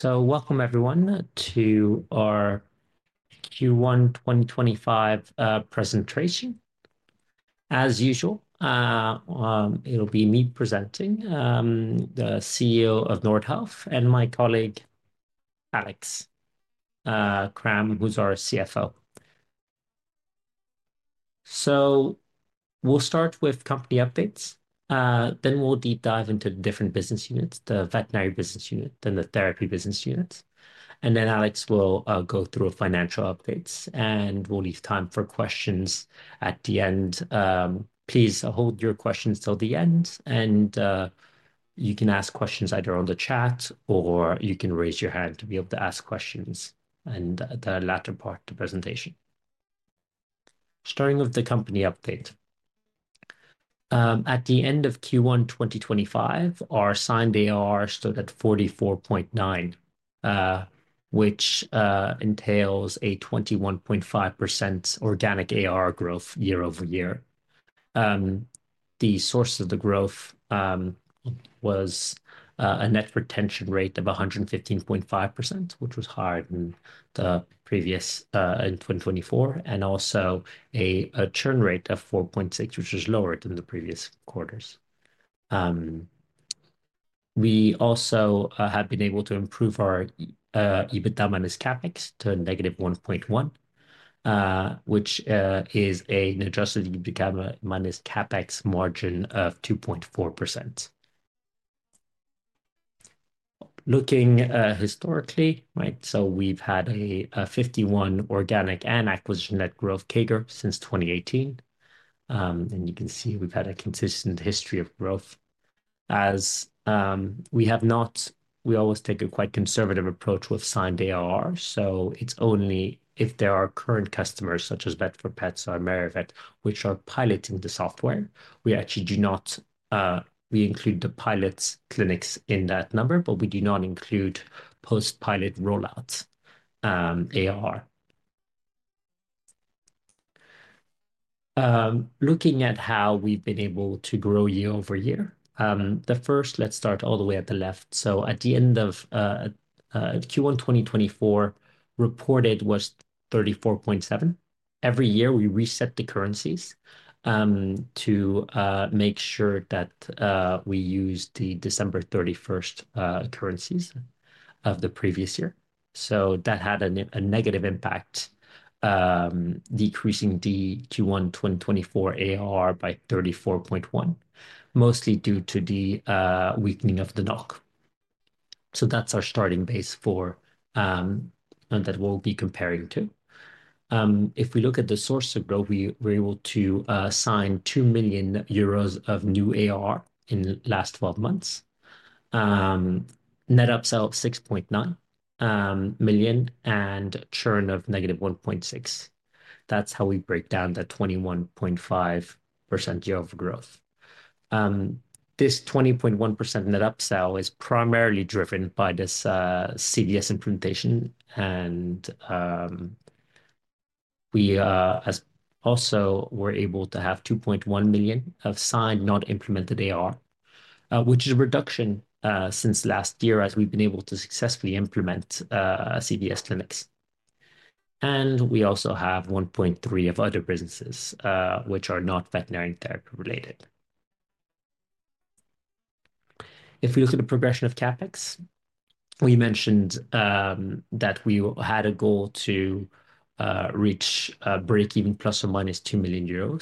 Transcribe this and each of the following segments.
So welcome, everyone, to our Q1 2025 presentation. As usual, it'll be me presenting, the CEO of Nordhealth; and my colleague Alex Cram, who's our CFO. We'll start with company updates, then we'll deep dive into the different business units, the veterinary business unit, then the therapy business units. Alex will go through financial updates, and we'll leave time for questions at the end. Please hold your questions till the end, and you can ask questions either on the chat or you can raise your hand to be able to ask questions in the latter part of the presentation. Starting with the company update. At the end of Q1 2025, our signed ARR stood at 44.9 million, which entails a 21.5% organic ARR growth year-over-year. The source of the growth was a net retention rate of 115.5%, which was higher than the previous in 2024, and also a churn rate of 4.6%, which is lower than the previous quarters. We also have been able to improve our EBITDA minus CapEx to negative 1.1 million, which is an adjusted EBITDA minus CapEx margin of 2.4%. Looking historically, right, so we've had a 51% organic and acquisition net growth CAGR since 2018. You can see we've had a consistent history of growth as we have not, we always take a quite conservative approach with signed ARR, so it's only if there are current customers such as Vets4Pets or AmeriVet, which are piloting the software. We actually do not, we include the pilot clinics in that number, but we do not include post-pilot rollout ARR. Looking at how we've been able to grow year-over-year, the first, let's start all the way at the left. At the end of Q1 2024, reported was 34.7 million. Every year we reset the currencies to make sure that we use the December 31st currencies of the previous year. That had a negative impact, decreasing the Q1 2024 ARR by 34.1 million, mostly due to the weakening of the NOK. That is our starting base for that we'll be comparing to. If we look at the source of growth, we were able to sign 2 million euros of new ARR in the last 12 months, net upsell of 6.9 million, and churn of negative 1.6 million. That is how we break down the 21.5% year-over-year growth. This 20.1% net upsell is primarily driven by this CVS implementation, and we also were able to have 2.1 million of signed not implemented ARR, which is a reduction since last year as we've been able to successfully implement CVS clinics. We also have 1.3 million of other businesses which are not veterinary and therapy related. If we look at the progression of CapEx, we mentioned that we had a goal to reach breakeven plus or minus EUR 2 million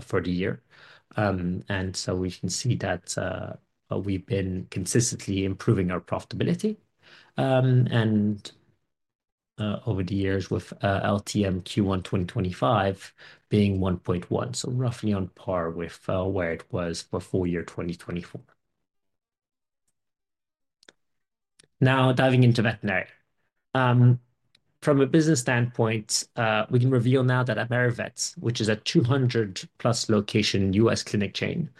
for the year. We can see that we've been consistently improving our profitability over the years with LTM Q1 2025 being 1.1 million, so roughly on par with where it was before year 2024. Now diving into veterinary. From a business standpoint, we can reveal now that AmeriVet, which is a 200-plus location U.S. clinic chain,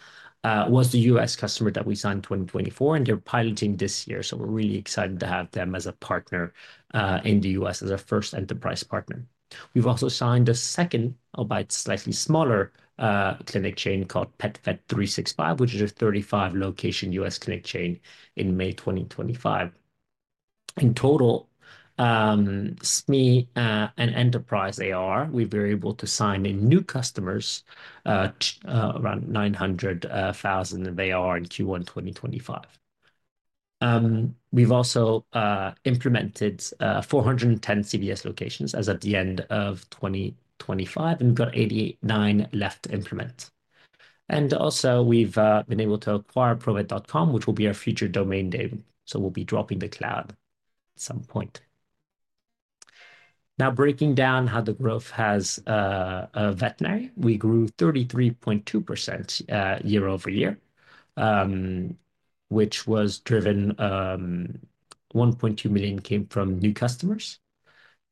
was the U.S. customer that we signed in 2024, and they're piloting this year. We're really excited to have them as a partner in the U.S. as our first enterprise partner. We've also signed a second, but slightly smaller clinic chain called PetVet365, which is a 35-location U.S. clinic chain in May 2025. In total, SME and enterprise ARR, we've been able to sign in new customers around 900,000 of ARR in Q1 2025. We've also implemented 410 CVS locations as of the end of 2025, and we've got 89 left to implement. We've been able to acquire provet.com, which will be our future domain name. We'll be dropping the cloud at some point. Now breaking down how the growth has veterinary, we grew 33.2% year-over-year, which was driven 1.2 million came from new customers.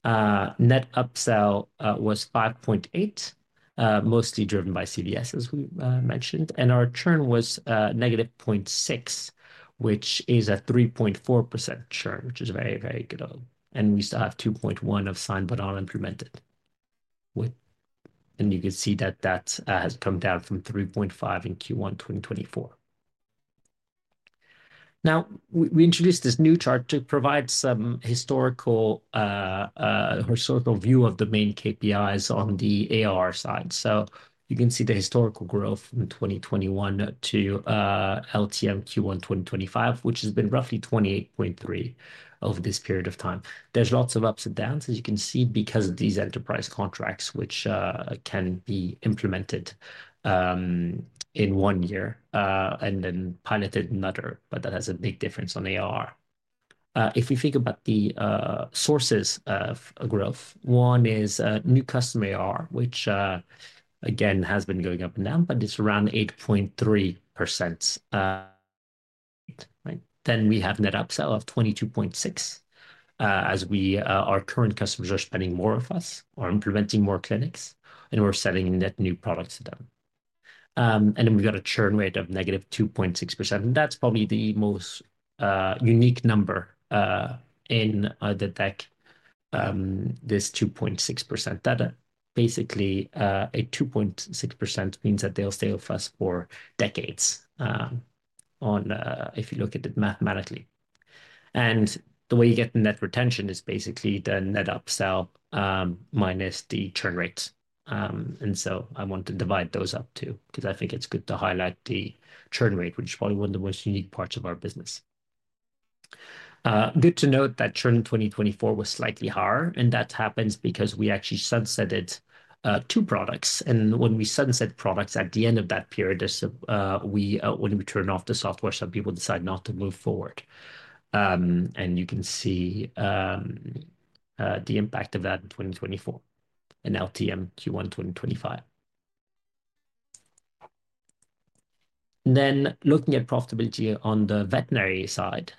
Net upsell was 5.8 million, mostly driven by CVS, as we mentioned, and our churn was negative 0.6 million, which is a 3.4% churn, which is very, very good. We still have 2.1 million of signed but not implemented. You can see that that has come down from 3.5 million in Q1 2024. We introduced this new chart to provide some historical view of the main KPIs on the ARR side. You can see the historical growth from 2021-LTM Q1 2025, which has been roughly 28.3% over this period of time. There are lots of ups and downs, as you can see, because of these enterprise contracts, which can be implemented in one year and then piloted another, but that has a big difference on ARR. If we think about the sources of growth, one is new customer ARR, which again has been going up now, but it's around 8.3%. Then we have net upsell of 22.6% as our current customers are spending more with us or implementing more clinics, and we're selling net new products to them. We have a churn rate of negative 2.6%. That's probably the most unique number in the tech, this 2.6% data. Basically, a negative 2.6% means that they'll stay with us for decades if you look at it mathematically. The way you get net retention is basically the net upsell minus the churn rate. I want to divide those up too because I think it's good to highlight the churn rate, which is probably one of the most unique parts of our business. Good to note that churn in 2024 was slightly higher, and that happens because we actually sunsetted two products. When we sunset products at the end of that period, when we turn off the software, some people decide not to move forward. You can see the impact of that in 2024 and LTM Q1 2025. Looking at profitability on the veterinary side,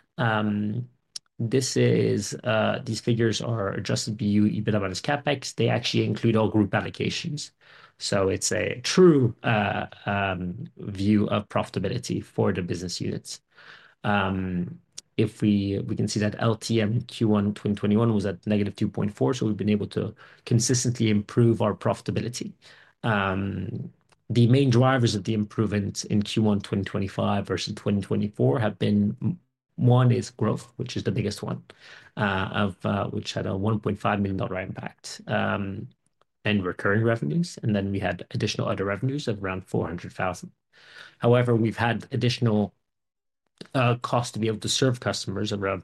these figures are adjusted BU, EBITDA minus CapEx. They actually include all group allocations. It is a true view of profitability for the business units. We can see that LTM Q1 2021 was at negative 2.4 million, so we have been able to consistently improve our profitability. The main drivers of the improvement in Q1 2025 versus 2024 have been one is growth, which is the biggest one, which had a EUR 1.5 million impact and recurring revenues. We had additional other revenues of around 400,000. However, we've had additional cost to be able to serve customers around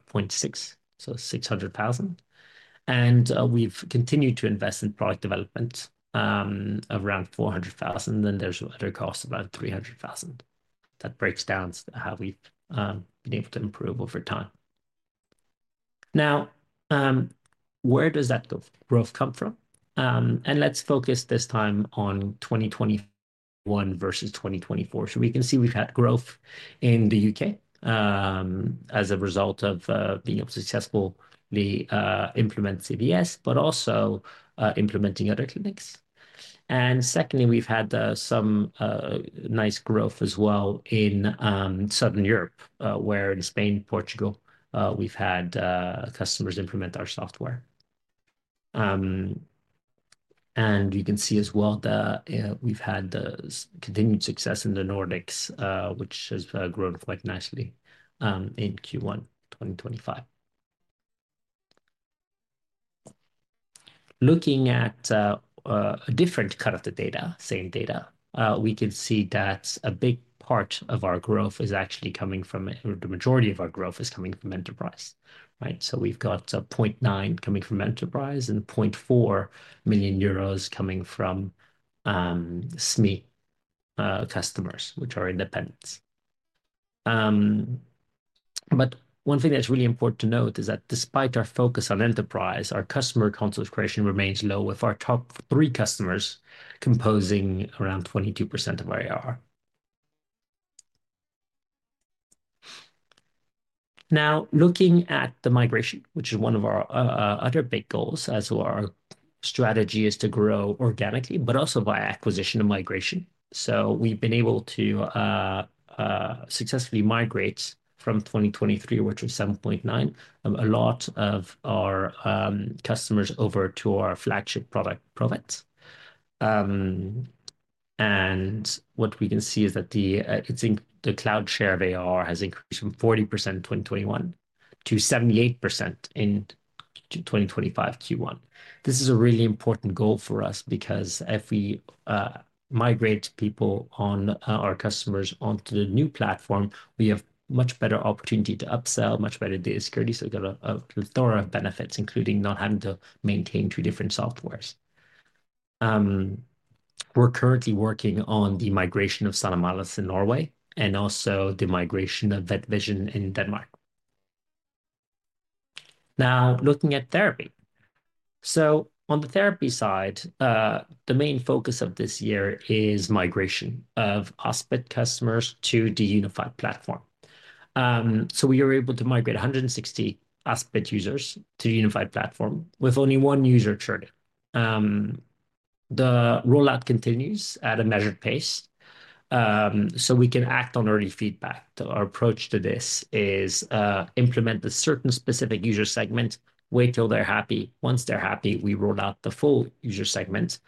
600,000. And we've continued to invest in product development around 400,000. Then there's other costs around 300,000. That breaks down how we've been able to improve over time. Now, where does that growth come from? And let's focus this time on 2021 versus 2024. We can see we've had growth in the U.K. as a result of being able to successfully implement CVS, but also implementing other clinics. Secondly, we've had some nice growth as well in Southern Europe, where in Spain, Portugal, we've had customers implement our software. You can see as well that we've had continued success in the Nordics, which has grown quite nicely in Q1 2025. Looking at a different cut of the data, same data, we can see that a big part of our growth is actually coming from the majority of our growth is coming from enterprise. We have 0.9 million coming from enterprise and 0.4 million euros coming from SME customers, which are independents. One thing that is really important to note is that despite our focus on enterprise, our customer concentration remains low, with our top three customers composing around 22% of our ARR. Now, looking at the migration, which is one of our other big goals as our strategy is to grow organically, but also by acquisition and migration. We have been able to successfully migrate from 2023, which was 7.9 million, a lot of our customers over to our flagship product, Provet. What we can see is that the cloud share of AR has increased from 40% in 2021 to 78% in 2025 Q1. This is a really important goal for us because if we migrate people on our customers onto the new platform, we have much better opportunity to upsell, much better data security. We have a plethora of benefits, including not having to maintain two different softwares. We are currently working on the migration of Sanimalis in Norway and also the migration of VetVision in Denmark. Now, looking at therapy. On the therapy side, the main focus of this year is migration of Aspit customers to the Unified Platform. We are able to migrate 160 Aspict users to the Unified Platform with only one user churning. The roll-out continues at a measured pace, so we can act on early feedback. Our approach to this is implement a certain specific user segment, wait till they're happy. Once they're happy, we roll-out the full user segment,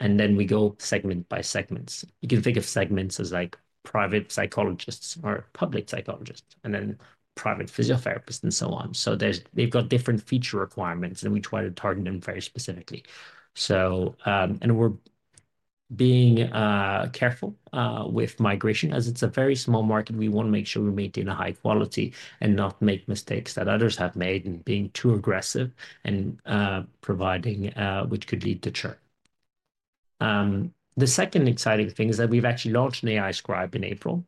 and then we go segment by segments. You can think of segments as like private psychologists or public psychologists and then private physiotherapists and so on. They've got different feature requirements, and we try to target them very specifically. We are being careful with migration as it's a very small market. We want to make sure we maintain a high quality and not make mistakes that others have made in being too aggressive in providing, which could lead to churn. The second exciting thing is that we've actually launched an AI Scribe in April,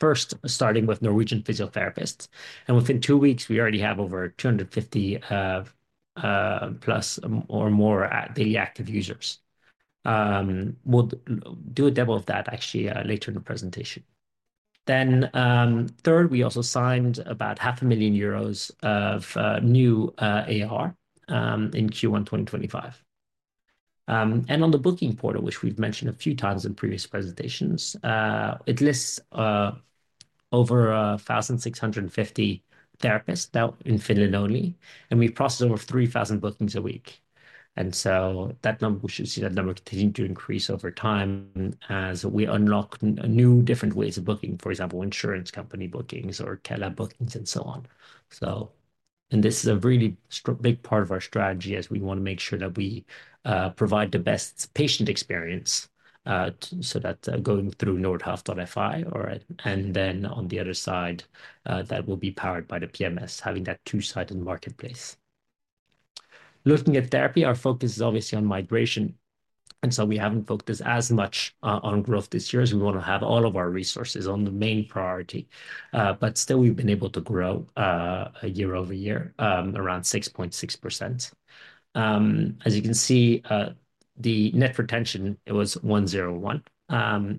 first starting with Norwegian physiotherapists. Within two weeks, we already have over 250+ or more daily active users. We'll do a demo of that actually later in the presentation. Third, we also signed about 500,000 euros of new ARR in Q1 2025. On the booking portal, which we've mentioned a few times in previous presentations, it lists over 1,650 therapists now in Finland only, and we process over 3,000 bookings a week. That number, we should see that number continue to increase over time as we unlock new different ways of booking, for example, insurance company bookings or Kela bookings and so on. This is a really big part of our strategy as we want to make sure that we provide the best patient experience so that going through Nordhealth.fi, and then on the other side, that will be powered by the PMS, having that two-sided marketplace. Looking at therapy, our focus is obviously on migration. We have not focused as much on growth this year. We want to have all of our resources on the main priority, but still we have been able to grow year-over-year around 6.6%. As you can see, the net retention was 101%.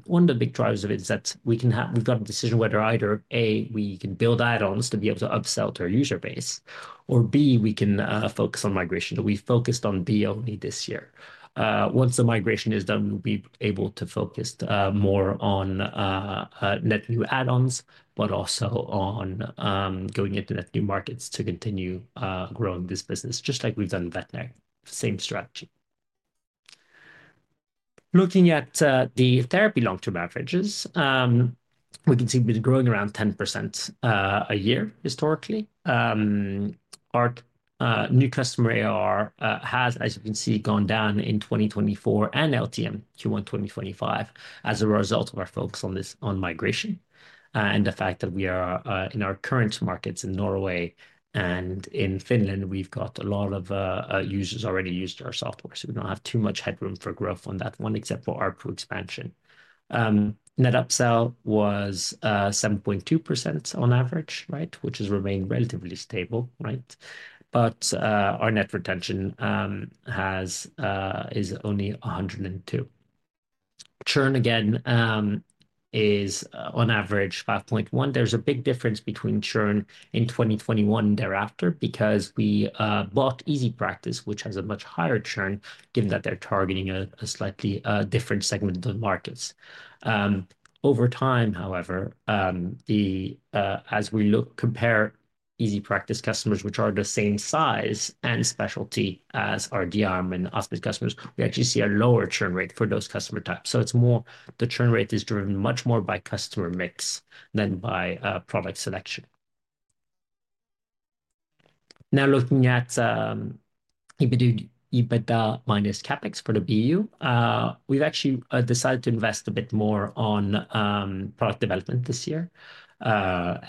One of the big drivers of it is that we have got a decision whether either A, we can build add-ons to be able to upsell to our user base, or B, we can focus on migration. We focused on B only this year. Once the migration is done, we will be able to focus more on net new add-ons, but also on going into net new markets to continue growing this business, just like we have done with veterinary, same strategy. Looking at the therapy long-term averages, we can see we have been growing around 10% a year historically. Our new customer ARR has, as you can see, gone down in 2024 and LTM Q1 2025 as a result of our focus on migration and the fact that we are in our current markets in Norway and in Finland, we've got a lot of users already using our software. We do not have too much headroom for growth on that one, except for our expansion. Net upsell was 7.2% on average, which has remained relatively stable. Our net retention is only 102%. Churn again is on average 5.1%. There is a big difference between churn in 2021 and thereafter because we bought EasyPractice, which has a much higher churn, given that they are targeting a slightly different segment of the markets. Over time, however, as we compare EasyPractice customers, which are the same size and specialty as our Diarium and Aspit customers, we actually see a lower churn rate for those customer types. It is more the churn rate is driven much more by customer mix than by product selection. Now looking at EBITDA minus CapEx for the BU, we have actually decided to invest a bit more on product development this year. That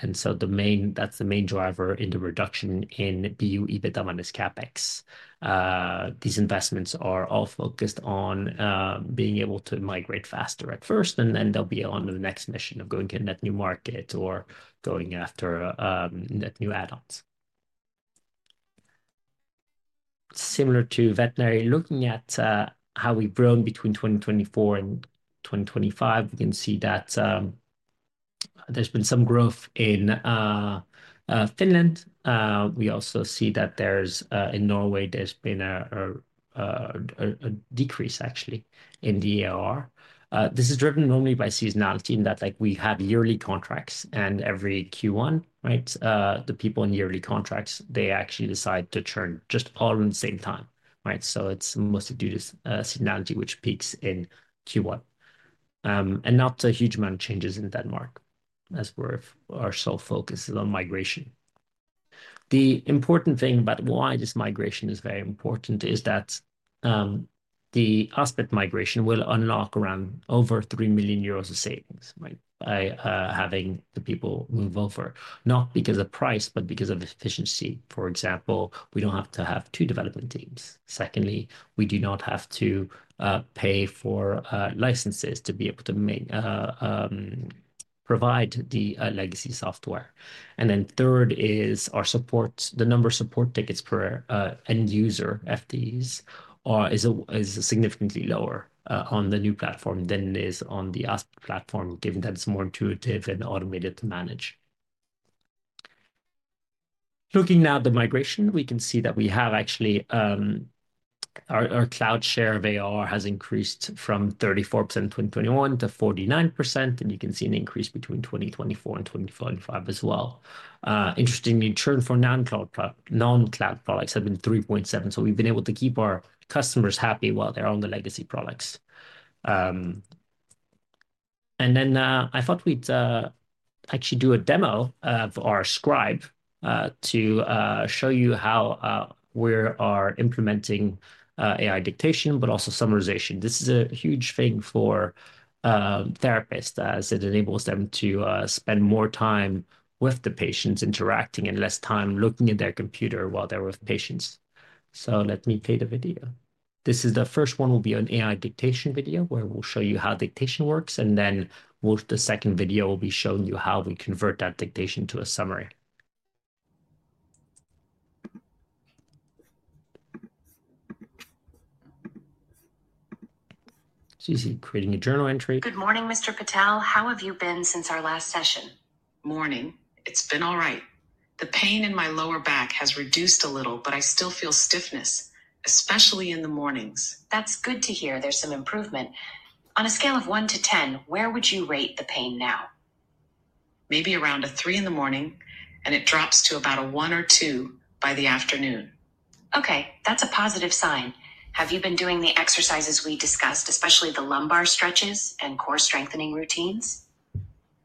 is the main driver in the reduction in BU EBITDA minus CapEx. These investments are all focused on being able to migrate faster at first, and then they will be on the next mission of going to net new market or going after net new add-ons. Similar to veterinary, looking at how we have grown between 2024 and 2025, we can see that there has been some growth in Finland. We also see that in Norway, there's been a decrease actually in the ARR. This is driven normally by seasonality in that we have yearly contracts and every Q1, the people in yearly contracts, they actually decide to churn just all around the same time. It is mostly due to seasonality, which peaks in Q1. Not a huge amount of changes in Denmark as our sole focus is on migration. The important thing about why this migration is very important is that the Aspect migration will unlock around over 3 million euros of savings by having the people move over, not because of price, but because of efficiency. For example, we do not have to have two development teams. Secondly, we do not have to pay for licenses to be able to provide the legacy software. Third is our support. The number of support tickets per end user FTEs is significantly lower on the new platform than it is on the Aspit platform, given that it is more intuitive and automated to manage. Looking now at the migration, we can see that we have actually our cloud share of ARR has increased from 34% in 2021 to 49%. You can see an increase between 2024 and 2025 as well. Interestingly, churn for non-cloud products has been 3.7%. We have been able to keep our customers happy while they are on the legacy products. I thought we would actually do a demo of our scribe to show you how we are implementing AI dictation, but also summarization. This is a huge thing for therapists as it enables them to spend more time with the patients interacting and less time looking at their computer while they're with patients. Let me play the video. This first one will be an AI dictation video where we'll show you how dictation works. The second video will be showing you how we convert that dictation to a summary. You see creating a journal entry. Good morning, Mr. Patel. How have you been since our last session? Morning. It's been all right. The pain in my lower back has reduced a little, but I still feel stiffness, especially in the mornings. That's good to hear. There's some improvement. On a scale of 1-10, where would you rate the pain now? Maybe around three in the morning, and it drops to about one or two by the afternoon. Okay. That's a positive sign. Have you been doing the exercises we discussed, especially the lumbar stretches and core strengthening routines?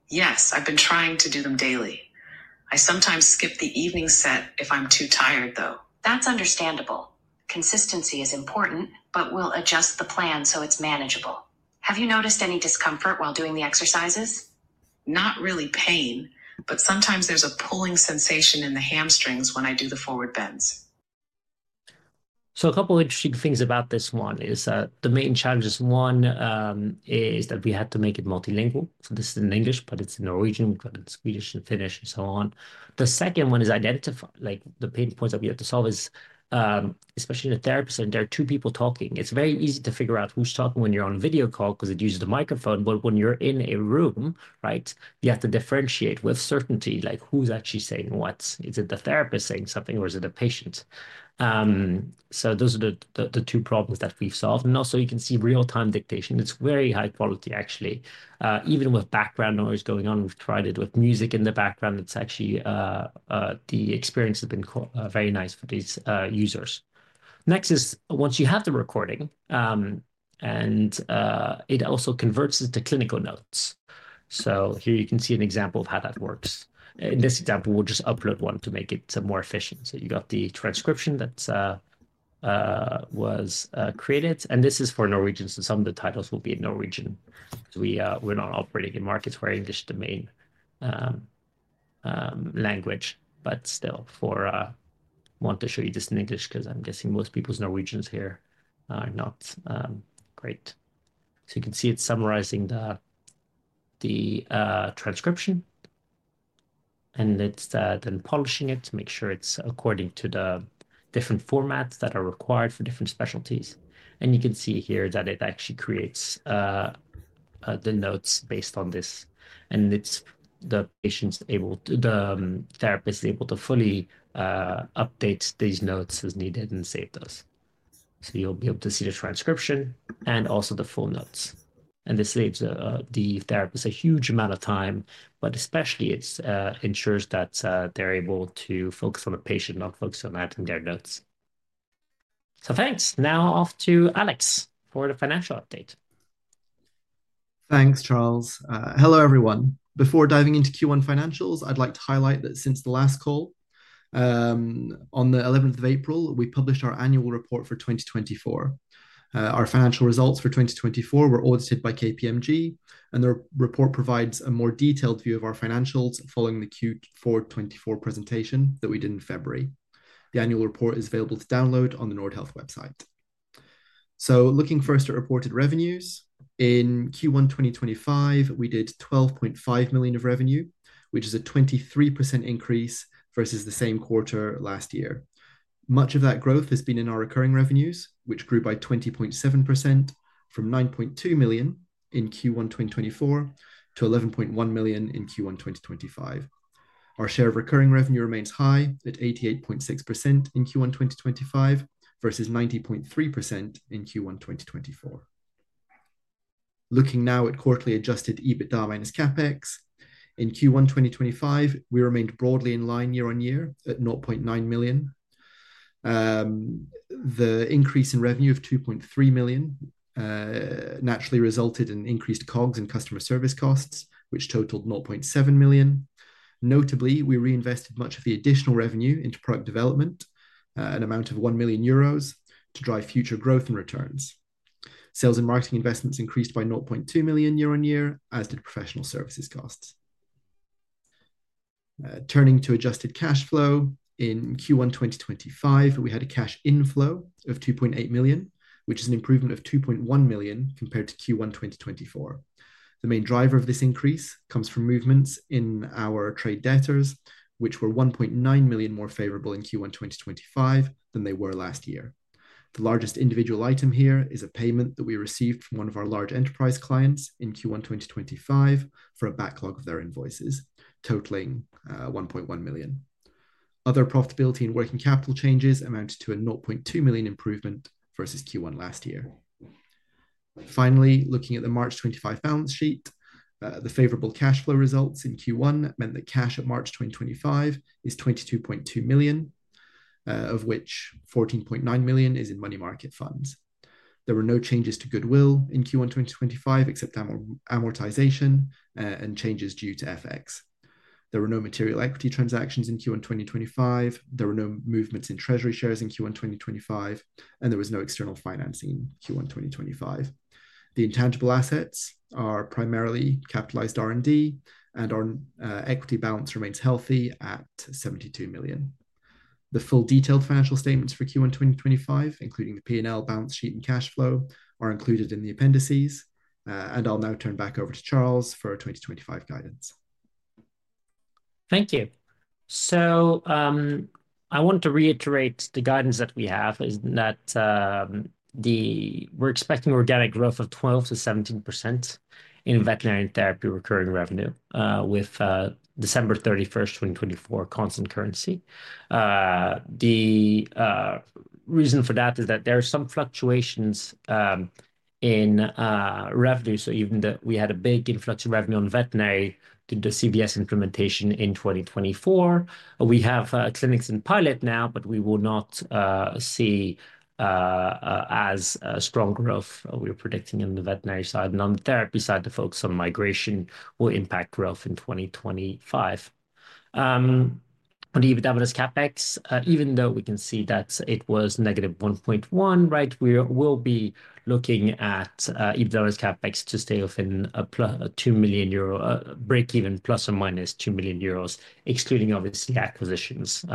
Yes. I've been trying to do them daily. I sometimes skip the evening set if I'm too tired, though. That's understandable. Consistency is important, but we'll adjust the plan so it's manageable. Have you noticed any discomfort while doing the exercises? Not really pain, but sometimes there's a pulling sensation in the hamstrings when I do the forward bends. A couple of interesting things about this one is the main challenges. One is that we had to make it multilingual. This is in English, but it's in Norwegian, Swedish, and Finnish, and so on. The second one is identifying the pain points that we have to solve, especially in a therapist and there are two people talking. It's very easy to figure out who's talking when you're on a video call because it uses the microphone. When you're in a room, you have to differentiate with certainty who's actually saying what. Is it the therapist saying something, or is it a patient? Those are the two problems that we've solved. You can see real-time dictation. It's very high quality, actually. Even with background noise going on, we've tried it with music in the background. The experience has been very nice for these users. Next is, once you have the recording, and it also converts it to clinical notes. Here you can see an example of how that works. In this example, we'll just upload one to make it more efficient. You got the transcription that was created. This is for Norwegian, so some of the titles will be in Norwegian. We're not operating in markets where English is the main language, but still, I want to show you this in English because I'm guessing most people's Norwegians here are not great. You can see it's summarizing the transcription and then polishing it to make sure it's according to the different formats that are required for different specialties. You can see here that it actually creates the notes based on this. The therapist is able to fully update these notes as needed and save those. You'll be able to see the transcription and also the full notes. This saves the therapist a huge amount of time, but especially it ensures that they're able to focus on the patient, not focus on adding their notes. Thanks. Now off to Alex for the financial update. Thanks, Charles. Hello, everyone. Before diving into Q1 financials, I'd like to highlight that since the last call on the 11th of April, we published our annual report for 2024. Our financial results for 2024 were audited by KPMG, and the report provides a more detailed view of our financials following the Q4 2024 presentation that we did in February. The annual report is available to download on the Nordhealth website. Looking first at reported revenues, in Q1 2025, we did 12.5 million of revenue, which is a 23% increase versus the same quarter last year. Much of that growth has been in our recurring revenues, which grew by 20.7% from 9.2 million in Q1 2024 to 11.1 million in Q1 2025. Our share of recurring revenue remains high at 88.6% in Q1 2025 versus 90.3% in Q1 2024. Looking now at quarterly adjusted EBITDA minus CapEx, in Q1 2025, we remained broadly in line year-on-year at 0.9 million. The increase in revenue of 2.3 million naturally resulted in increased COGS and customer service costs, which totaled 0.7 million. Notably, we reinvested much of the additional revenue into product development, an amount of 1 million euros to drive future growth and returns. Sales and marketing investments increased by 0.2 million year on year, as did professional services costs. Turning to adjusted cash flow, in Q1 2025, we had a cash inflow of 2.8 million, which is an improvement of 2.1 million compared to Q1 2024. The main driver of this increase comes from movements in our trade debtors, which were 1.9 million more favorable in Q1 2025 than they were last year. The largest individual item here is a payment that we received from one of our large enterprise clients in Q1 2025 for a backlog of their invoices, totaling 1.1 million. Other profitability and working capital changes amounted to a 0.2 million improvement versus Q1 last year. Finally, looking at the March 2025 balance sheet, the favorable cash flow results in Q1 meant that cash at March 2025 is 22.2 million, of which 14.9 million is in money market funds. There were no changes to goodwill in Q1 2025, except amortization and changes due to FX. There were no material equity transactions in Q1 2025. There were no movements in treasury shares in Q1 2025, and there was no external financing in Q1 2025. The intangible assets are primarily capitalized R&D, and our equity balance remains healthy at 72 million. The full detailed financial statements for Q1 2025, including the P&L, balance sheet, and cash flow, are included in the appendices. I will now turn back over to Charles for 2025 guidance. Thank you. I want to reiterate the guidance that we have is that we are expecting organic growth of 12%-17% in veterinary and therapy recurring revenue with December 31, 2024, constant currency. The reason for that is that there are some fluctuations in revenue. Even though we had a big inflation revenue on veterinary due to CVS implementation in 2024, we have clinics in pilot now, but we will not see as strong growth. We are predicting on the veterinary side and on the therapy side to focus on migration will impact growth in 2025. On EBITDA minus CapEx, even though we can see that it was negative 1.1 million, we will be looking at EBITDA minus CapEx to stay within a 2 million euro breakeven, plus or minus 2 million euros, excluding, obviously, acquisitions.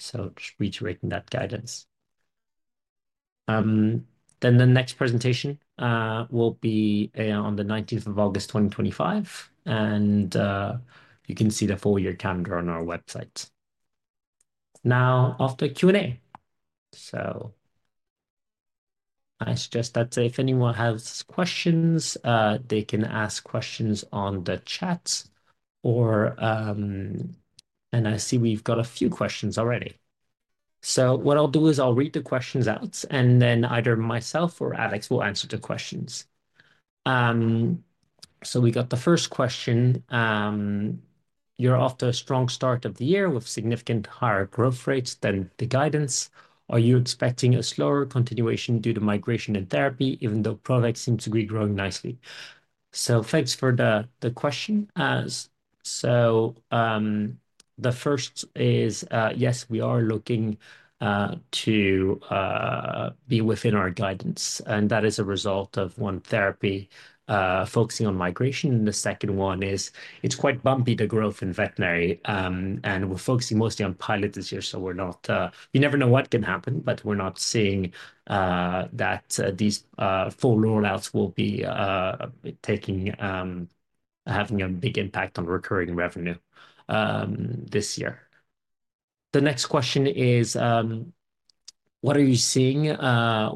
Just reiterating that guidance. The next presentation will be on the 19th of August, 2025. You can see the full year calendar on our website. Now, off to Q&A. I suggest that if anyone has questions, they can ask questions on the chat. I see we've got a few questions already. What I'll do is I'll read the questions out, and then either myself or Alex will answer the questions. We got the first question. "You're off to a strong start of the year with significantly higher growth rates than the guidance. Are you expecting a slower continuation due to migration and therapy, even though products seem to be growing nicely?" Thanks for the question. The first is, yes, we are looking to be within our guidance. That is a result of one, therapy focusing on migration. The second one is it's quite bumpy, the growth in veterinary. We're focusing mostly on pilot this year. You never know what can happen, but we're not seeing that these full rollouts will be having a big impact on recurring revenue this year. The next question is, "What are you seeing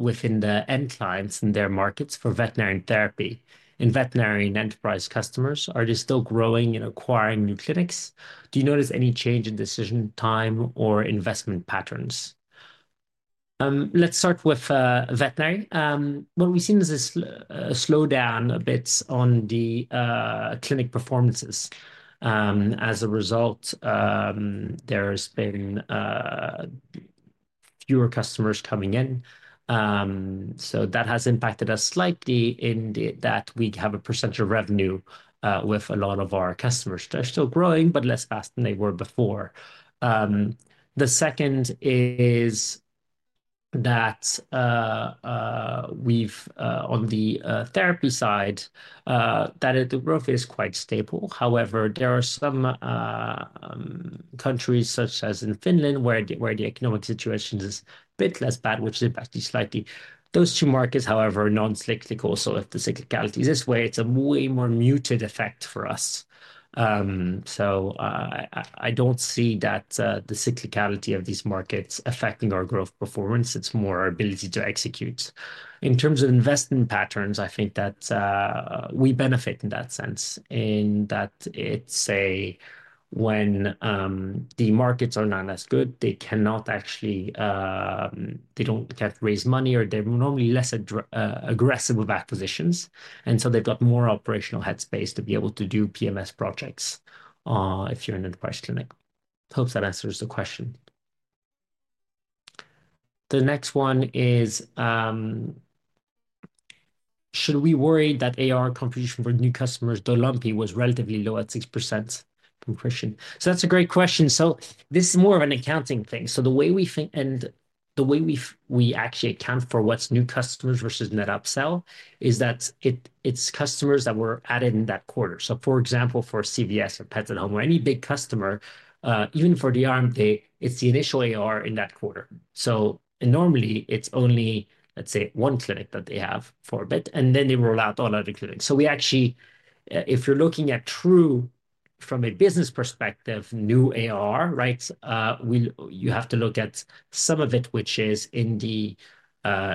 within the end clients and their markets for veterinary and therapy? In veterinary and enterprise customers, are they still growing and acquiring new clinics? Do you notice any change in decision time or investment patterns?" Let's start with veterinary. What we've seen is a slowdown a bit on the clinic performances. As a result, there's been fewer customers coming in. That has impacted us slightly in that we have a percentage of revenue with a lot of our customers. They're still growing, but less fast than they were before. The second is that on the therapy side, the growth is quite stable. However, there are some countries, such as in Finland, where the economic situation is a bit less bad, which is actually slightly. Those two markets, however, are non-cyclical. If the cyclicality is this way, it's a way more muted effect for us. I don't see that the cyclicality of these markets affecting our growth performance. It's more our ability to execute. In terms of investment patterns, I think that we benefit in that sense in that when the markets are not as good, they don't have to raise money, or they're normally less aggressive with acquisitions. They have more operational headspace to be able to do PMS projects if you're in an enterprise clinic. Hope that answers the question. The next one is, "Should we worry that ARR contribution for new customers, the lumpy was relatively low at 6%?" That's a great question. This is more of an accounting thing. The way we think and the way we actually account for what's new customers versus net upsell is that it's customers that were added in that quarter. For example, for CVS or Pets at Home or any big customer, even for the [RMK], it's the initial ARR in that quarter. Normally, it's only, let's say, one clinic that they have for a bit, and then they roll out all other clinics. If you're looking at true, from a business perspective, new ARR, you have to look at some of it, which is in the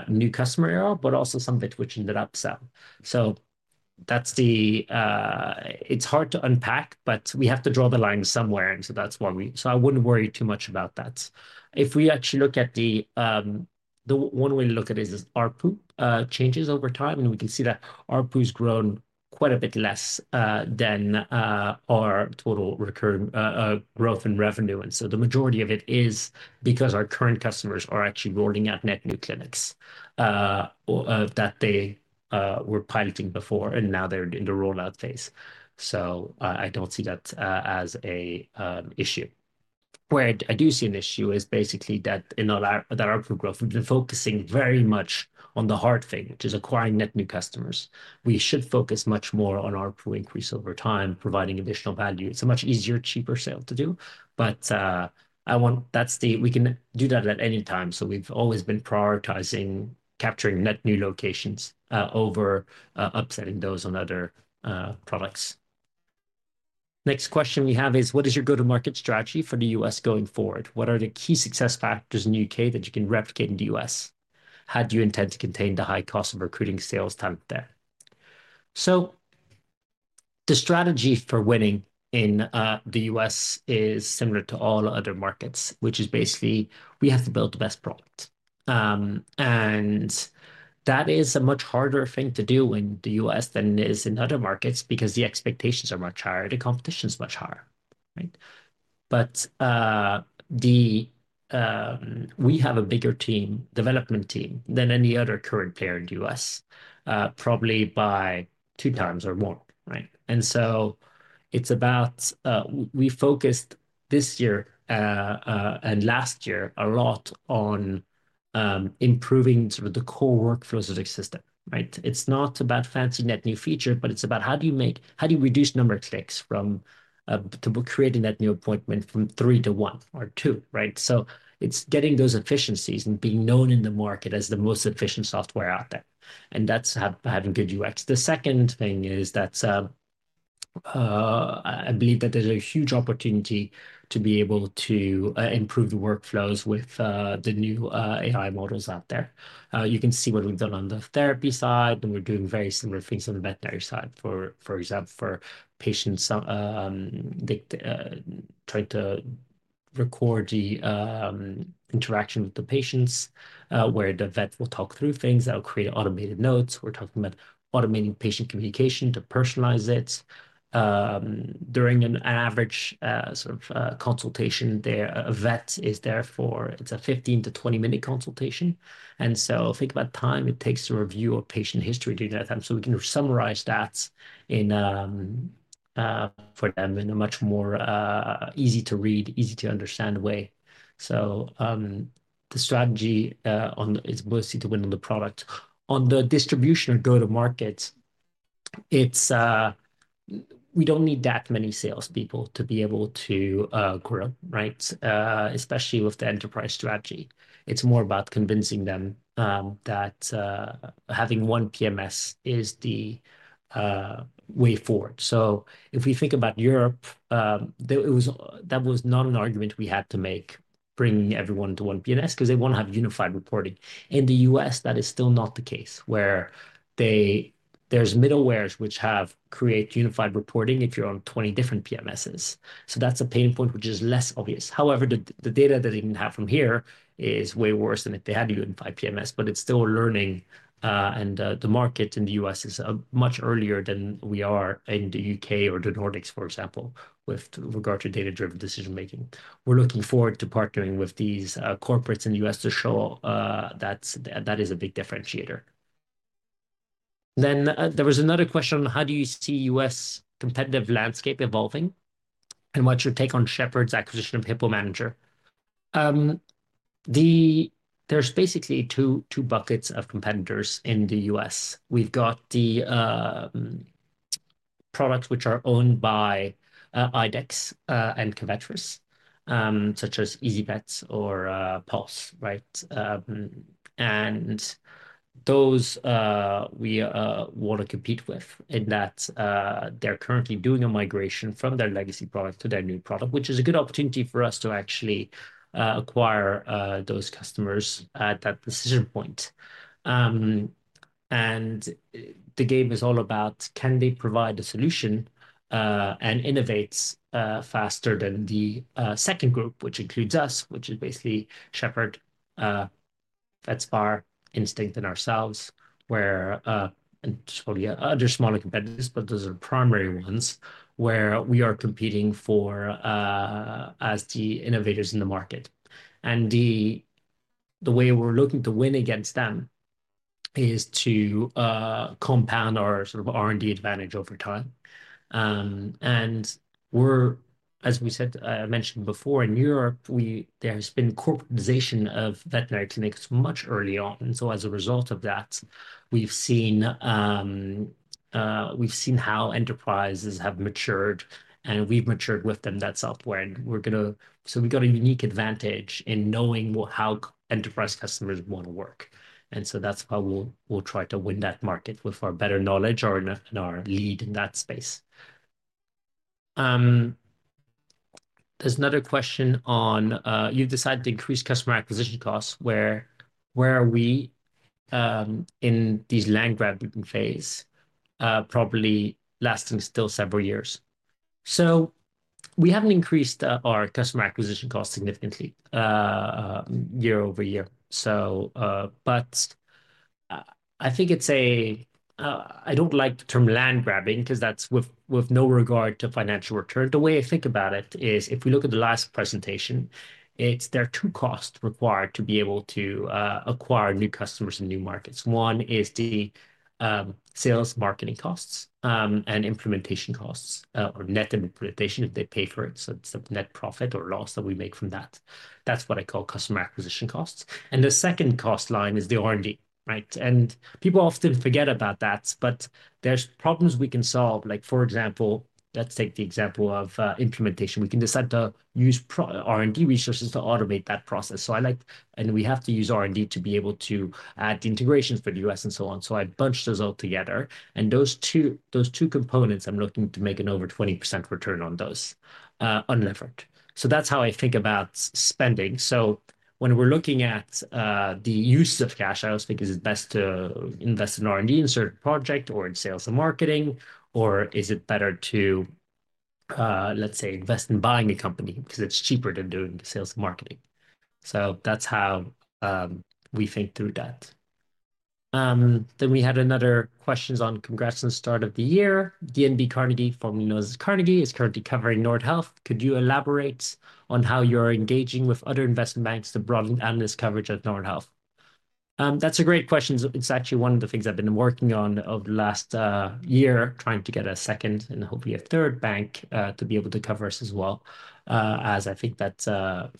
new customer area, but also some of it, which is net upsell. It's hard to unpack, but we have to draw the line somewhere. That's why we—I wouldn't worry too much about that. If we actually look at it, the one way to look at it is ARPU changes over time. We can see that ARPU has grown quite a bit less than our total growth in revenue. The majority of it is because our current customers are actually rolling out net new clinics that they were piloting before, and now they're in the rollout phase. I don't see that as an issue. Where I do see an issue is basically that in ARPU growth, we've been focusing very much on the hard thing, which is acquiring net new customers. We should focus much more on ARPU increase over time, providing additional value. It's a much easier, cheaper sale to do. We can do that at any time. We've always been prioritizing capturing net new locations over upselling those on other products. Next question we have is, "What is your go-to-market strategy for the U.S. going forward? What are the key success factors in the U.K. that you can replicate in the U.S.? How do you intend to contain the high cost of recruiting sales talent there?" The strategy for winning in the U.S. is similar to all other markets, which is basically we have to build the best product. That is a much harder thing to do in the U.S. than it is in other markets because the expectations are much higher. The competition is much higher. We have a bigger team, development team, than any other current player in the U.S., probably by two times or more. We focused this year and last year a lot on improving the core workflows of the system. It's not about fancy net new feature, but it's about how do you reduce number of clicks from creating that new appointment from three-one or two. It's getting those efficiencies and being known in the market as the most efficient software out there. That's having good UX. The second thing is that I believe that there's a huge opportunity to be able to improve the workflows with the new AI models out there. You can see what we've done on the therapy side, and we're doing very similar things on the veterinary side, for example, for patients trying to record the interaction with the patients, where the vet will talk through things that will create automated notes. We're talking about automating patient communication to personalize it. During an average sort of consultation, a vet is there for, it's a 15-20 minute consultation. Think about time it takes to review a patient history during that time. We can summarize that for them in a much more easy-to-read, easy-to-understand way. The strategy is mostly to win on the product. On the distribution or go-to-market, we do not need that many salespeople to be able to grow, especially with the enterprise strategy. It is more about convincing them that having one PMS is the way forward. If we think about Europe, that was not an argument we had to make, bringing everyone to one PMS because they want to have unified reporting. In the U.S., that is still not the case, where there are middlewares which create unified reporting if you are on 20 different PMSs. That is a pain point, which is less obvious. However, the data that they can have from here is way worse than if they had a unified PMS, but it's still learning. The market in the U.S. is much earlier than we are in the U.K. or the Nordics, for example, with regard to data-driven decision-making. We're looking forward to partnering with these corporates in the U.S. to show that that is a big differentiator. There was another question, "How do you see U.S. competitive landscape evolving and what's your take on Shepherd's acquisition of Hippo Manager?" There's basically two buckets of competitors in the U.S. We've got the products which are owned by IDEX and Covetrus, such as ezyVet or Pulse. Those we want to compete with in that they're currently doing a migration from their legacy product to their new product, which is a good opportunity for us to actually acquire those customers at that decision point. The game is all about, can they provide a solution and innovate faster than the second group, which includes us, which is basically Shepherd, Vets Bear, Instinct, and ourselves, and just probably other smaller competitors, but those are primary ones where we are competing as the innovators in the market. The way we're looking to win against them is to compound our sort of R&D advantage over time. As we mentioned before, in Europe, there has been corporatization of veterinary clinics much early on. As a result of that, we've seen how enterprises have matured, and we've matured with them that software. We have a unique advantage in knowing how enterprise customers want to work. That is why we will try to win that market with our better knowledge and our lead in that space. There is another question on, "You have decided to increase customer acquisition costs. Where are we in these land grab phase, probably lasting still several years?" We have not increased our customer acquisition cost significantly year-over-year. I think it is a—I do not like the term land grabbing because that is with no regard to financial return. The way I think about it is, if we look at the last presentation, there are two costs required to be able to acquire new customers in new markets. One is the sales marketing costs and implementation costs or net implementation if they pay for it. It is the net profit or loss that we make from that. That's what I call customer acquisition costs. The second cost line is the R&D. People often forget about that, but there's problems we can solve. For example, let's take the example of implementation. We can decide to use R&D resources to automate that process. We have to use R&D to be able to add the integrations for the U.S. and so on. I bunched those all together. Those two components, I'm looking to make an over 20% return on those on effort. That's how I think about spending. When we're looking at the use of cash, I always think it's best to invest in R&D in certain projects or in sales and marketing, or is it better to, let's say, invest in buying a company because it's cheaper than doing sales and marketing? That's how we think through that. We had another question on, "Congrats on the start of the year. DNB Carnegie, formerly known as Carnegie, is currently covering Nordhealth. Could you elaborate on how you're engaging with other investment banks to broaden analyst coverage at Nordhealth?" That's a great question. It's actually one of the things I've been working on over the last year, trying to get a second and hopefully a third bank to be able to cover us as well, as I think that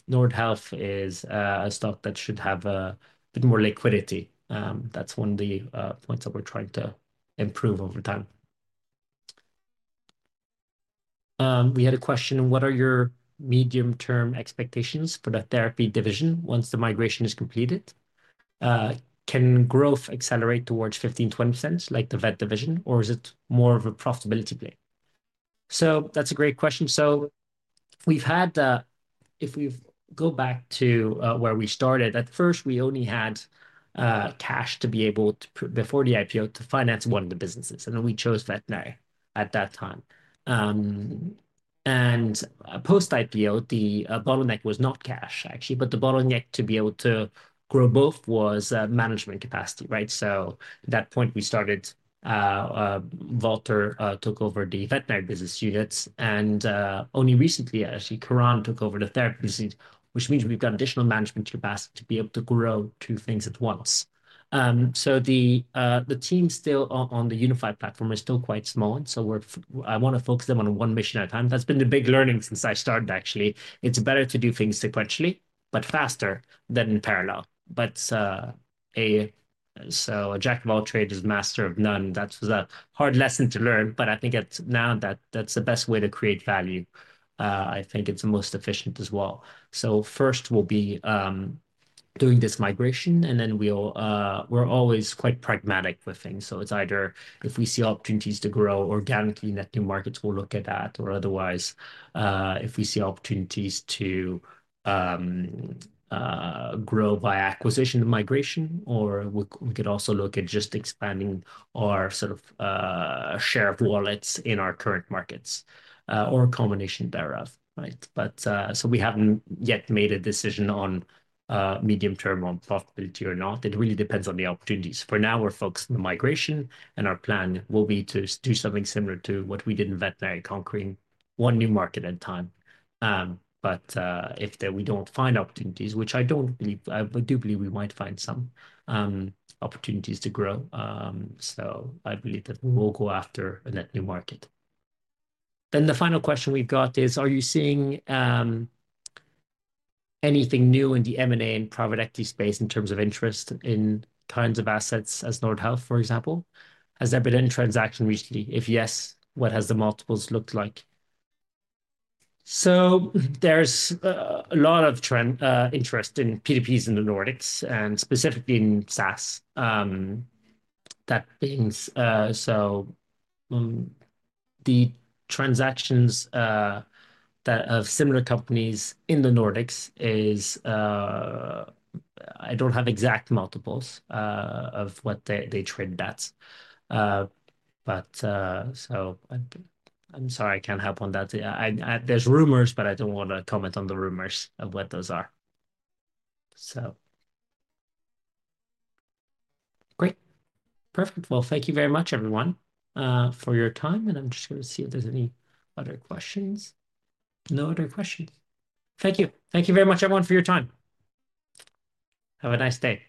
Nordhealth is a stock that should have a bit more liquidity. That's one of the points that we're trying to improve over time. We had a question on, "What are your medium-term expectations for the therapy division once the migration is completed? Can growth accelerate towards 15%-20% like the vet division, or is it more of a profitability play?" That's a great question. If we go back to where we started, at first, we only had cash to be able to, before the IPO, to finance one of the businesses. We chose Veterinary at that time. Post-IPO, the bottleneck was not cash, actually, but the bottleneck to be able to grow both was management capacity. At that point, Valter took over the Veterinary business units. Only recently, actually, Karan took over the Therapy business, which means we've got additional management capacity to be able to grow two things at once. The team still on the unified platform is still quite small. I want to focus them on one mission at a time. That's been the big learning since I started, actually. It's better to do things sequentially, but faster than in parallel. Jack of all trades is master of none. That was a hard lesson to learn, but I think now that's the best way to create value. I think it's the most efficient as well. First, we'll be doing this migration, and then we're always quite pragmatic with things. It's either if we see opportunities to grow organically in net new markets, we'll look at that. Otherwise, if we see opportunities to grow by acquisition and migration, or we could also look at just expanding our sort of share of wallet in our current markets or a combination thereof. We haven't yet made a decision on medium-term profitability or not. It really depends on the opportunities. For now, we're focusing on the migration, and our plan will be to do something similar to what we did in Veterinary, conquering one new market at a time. If we do not find opportunities, which I do not believe, I do believe we might find some opportunities to grow. I believe that we will go after a net new market. The final question we have is, "Are you seeing anything new in the M&A and private equity space in terms of interest in kinds of assets as Nordhealth, for example? Has there been any transaction recently? If yes, what have the multiples looked like?" There is a lot of interest in P2Ps in the Nordics, and specifically in SaaS. The transactions of similar companies in the Nordics, I do not have exact multiples of what they trade at. I am sorry, I cannot help on that. There are rumors, but I do not want to comment on the rumors of what those are. Great. Perfect. Thank you very much, everyone, for your time. I'm just going to see if there's any other questions. No other questions. Thank you. Thank you very much, everyone, for your time. Have a nice day. Bye.